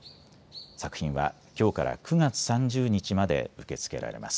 作品はきょうから９月３０日まで受け付けられます。